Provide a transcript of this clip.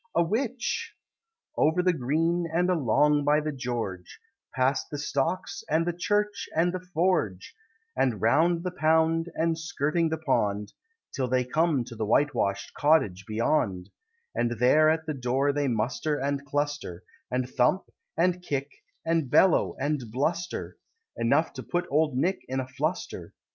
a Witch!" Over the Green, and along by The George Past the Stocks, and the Church, and the Forge, And round the Pound, and skirting the Pond, Till they come to the whitewash'd cottage beyond, And there at the door they muster and cluster, And thump, and kick, and bellow, and bluster Enough to put Old Nick in a fluster!